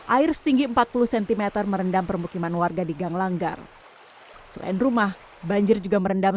air setinggi empat puluh cm merendam permukiman warga di gang langgar selain rumah banjir juga merendam